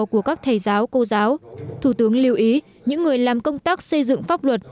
của các thầy giáo cô giáo thủ tướng lưu ý những người làm công tác xây dựng pháp luật